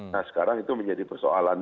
nah sekarang itu menjadi persoalan